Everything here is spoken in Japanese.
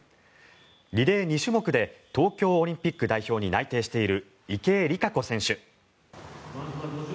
リレー２種目で東京オリンピック代表に内定している池江璃花子選手。